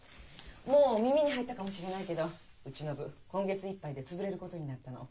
もう耳に入ったかもしれないけどうちの部今月いっぱいで潰れることになったの。